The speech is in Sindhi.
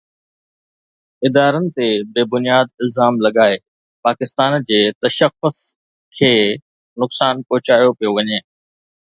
ادارن تي بي بنياد الزام لڳائي پاڪستان جي تشخص کي نقصان پهچايو پيو وڃي